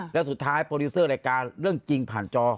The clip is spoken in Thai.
แล้วสุดท้ายโปรดิวเซอร์รายการเรื่องจริงผ่านจอ